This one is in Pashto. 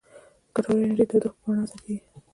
ګټوره انرژي د تودوخې په بڼه ازادیږي.